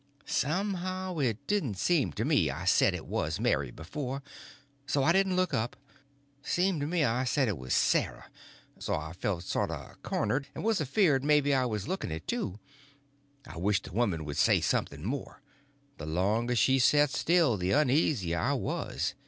Somehow it didn't seem to me that I said it was Mary before, so I didn't look up—seemed to me I said it was Sarah; so I felt sort of cornered, and was afeared maybe I was looking it, too. I wished the woman would say something more; the longer she set still the uneasier I was.